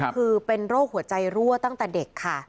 คือเป็นโรคหัวใจรั่วตั้งแต่เด็กค่ะ